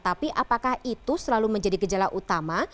tapi apakah itu selalu menjadi gejala utama